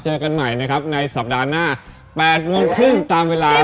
เจอกันใหม่ในสัปดาห์หน้า๘๓๐ตามเวลา